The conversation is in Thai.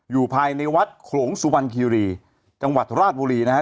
อยู่ภายในวัดโขลวงสุพันธิริจังหวัดราชบุรีนะฮะ